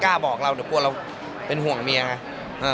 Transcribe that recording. ก็ไม่กล้าบอกเราเดี๋ยวปว่าเราเป็นห่วงเมียเอ่อ